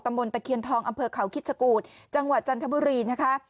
บนตะเคียนทองอำเภอเขาคิดชะกูดจังหวัดจันทบุรีนะคะ